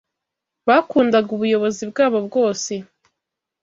Bakundaga ubuyobozi bwabo bwose